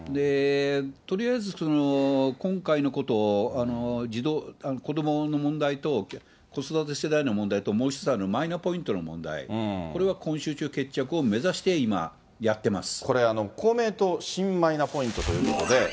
とりあえず今回のことを子どもの問題と、子育て世帯の問題と、もう１つあるマイナポイントの問題、これは今週中、これ、公明党、新マイナポイントということで。